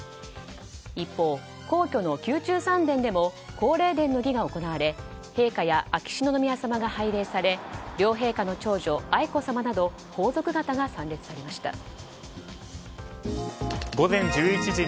一方、皇居の宮中三殿でも皇霊殿の儀が行われ陛下や秋篠宮さまが拝礼され両陛下の長女・愛子さまなど皇族方が参列されました。